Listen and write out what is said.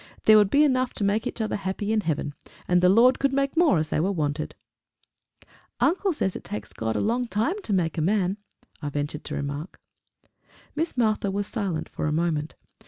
There would be enough to make each other happy in heaven, and the Lord could make more as they were wanted." "Uncle says it takes God a long time to make a man!" I ventured to remark. Miss Martha was silent for a moment.